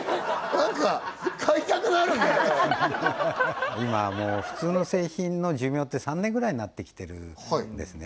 なんか買いたくなるね今もう普通の製品の寿命って３年ぐらいになってきてるんですね